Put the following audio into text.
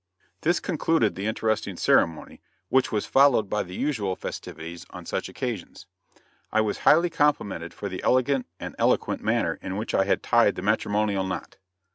This concluded the interesting ceremony, which was followed by the usual festivities on such occasions. I was highly complimented for the elegant and eloquent manner in which I had tied the matrimonial knot.